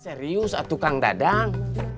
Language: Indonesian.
serius atukang dadang